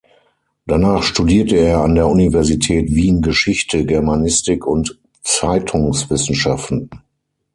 Danach studierte er an der Universität Wien Geschichte, Germanistik und Zeitungswissenschaften.